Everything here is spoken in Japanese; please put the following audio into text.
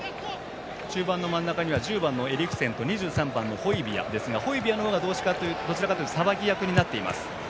中盤の真ん中には１０番のエリクセンと２３番のホイビヤがいますがホイビヤの方がどちらかというとさばき役になっています。